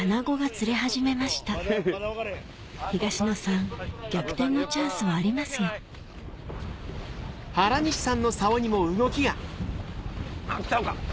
東野さん逆転のチャンスはありますよあっちゃうか？